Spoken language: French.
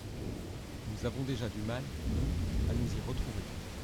Nous avons déjà du mal, nous, à nous y retrouver.